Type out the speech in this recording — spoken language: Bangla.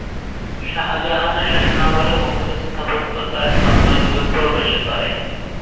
শাহজাহানের শাসনামলে মুঘল স্থাপত্য তার স্বর্ণযুগে প্রবেশ করে।